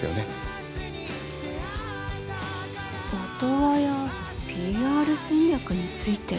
「オトワヤＰＲ戦略について」。